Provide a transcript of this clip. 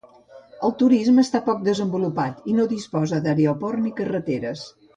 El turisme està poc desenvolupat i no disposa d'aeroport ni carreteres.